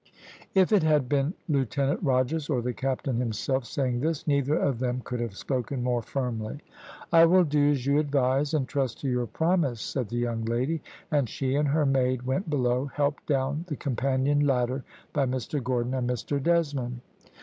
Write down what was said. "If it had been Lieutenant Rogers or the captain himself saying this, neither of them could have spoken more firmly. "`I will do as you advise, and trust to your promise,' said the young lady, and she and her maid went below, helped down the companion ladder by Mr Gordon and Mr Desmond.